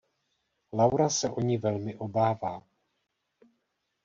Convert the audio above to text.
Laura se o ni velmi obává.